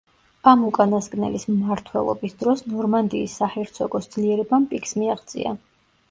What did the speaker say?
ამ უკანასკნელის მმართველობის დროს ნორმანდიის საჰერცოგოს ძლიერებამ პიკს მიაღწია.